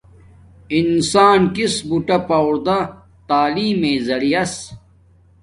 انسان کس بوٹا پوݹردا تعلیم مݵݵ زریعس